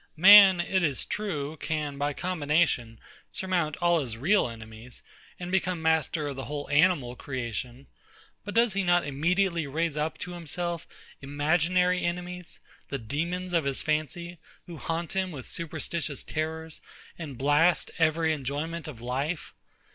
Man, it is true, can, by combination, surmount all his real enemies, and become master of the whole animal creation: but does he not immediately raise up to himself imaginary enemies, the demons of his fancy, who haunt him with superstitious terrors, and blast every enjoyment of life?